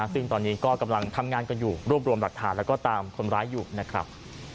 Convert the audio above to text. ซึ่งตอนนี้ก็กำลังทำงานกันอยู่รวบรวมหลักฐานแล้วก็ตามคนร้ายอยู่นะครับ